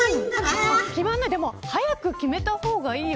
でも、早く決めたほうがいいよ。